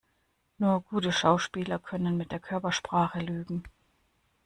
Nur gute Schauspieler können mit der Körpersprache lügen.